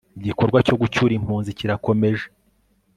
igikorwa cyo gucyura impunzi kirakomeje